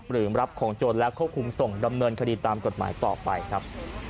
หรือรับของโจรและควบคุมส่งดำเนินคดีตามกฎหมายต่อไปครับ